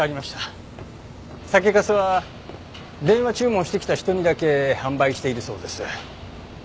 酒粕は電話注文してきた人にだけ販売しているそうです。